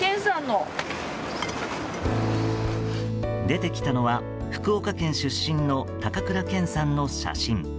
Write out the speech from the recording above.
出てきたのは福岡県出身の高倉健さんの写真。